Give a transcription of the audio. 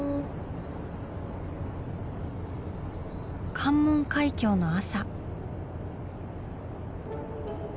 関門海峡の朝。